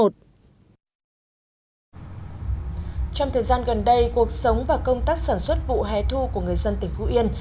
trong thời gian gần đây cuộc sống và công tác sản xuất vụ hè thu của người dân tỉnh phú yên